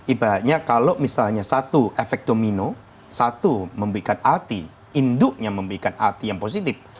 ibaratnya kalau misalnya satu efek domino satu memberikan arti induknya memberikan arti yang positif